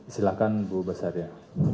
silahkan bu basaria